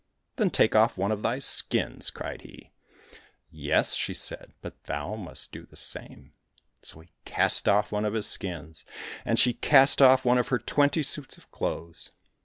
"—" Then take off one of thy skins !" cried he. —" Yes," she said, " but thou must do the same." — So he cast off one of his skins, and she cast off one of her twenty suits of clothes.